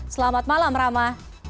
selamat malam rama